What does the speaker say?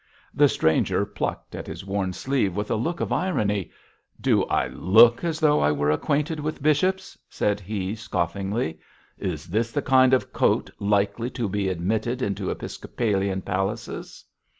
The stranger plucked at his worn sleeve with a look of irony. 'Do I look as though I were acquainted with bishops?' said he, scoffingly. 'Is this the kind of coat likely to be admitted into episcopalian palaces?'